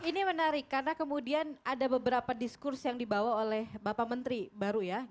ini menarik karena kemudian ada beberapa diskurs yang dibawa oleh bapak menteri baru ya